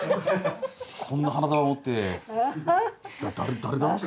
こんな花束持って誰だ誰だ？って。